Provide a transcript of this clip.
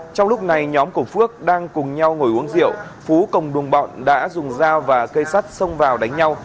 trong lúc này nhóm của phước đang cùng nhau ngồi uống rượu phú cùng đồng bọn đã dùng dao và cây sắt xông vào đánh nhau